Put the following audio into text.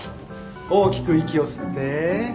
大きく息を吸ってはい